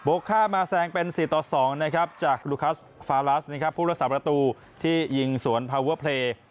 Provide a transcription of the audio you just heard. โบค่ามาแสงเป็น๔๒จากลูคัสฟาวราซที่ยิงสวนภาวะเพลย์